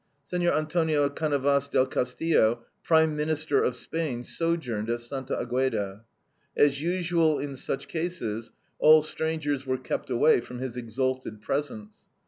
Senor Antonio Canovas del Castillo, Prime Minister of Spain, sojourned at Santa Agueda. As usual in such cases, all strangers were kept away from his exalted presence.